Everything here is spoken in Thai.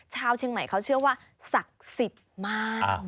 ชาวเชียงใหม่เขาเชื่อว่าศักดิ์สิทธิ์มาก